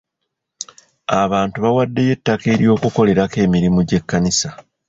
Abantu bawaddeyo ettaka ery'okukolerako emirimu gy'ekkanisa.